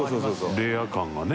レア感がね。